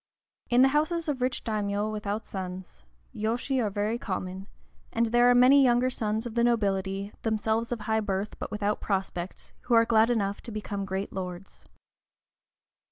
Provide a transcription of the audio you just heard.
In the houses of rich daimiōs without sons, yōshi are very common, and there are many younger sons of the nobility, themselves of high birth, but without prospects, who are glad enough to become great lords.